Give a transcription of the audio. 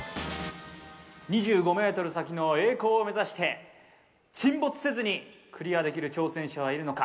２５ｍ先の栄光を目指して、沈没せずにクリアできる挑戦者はいるのか。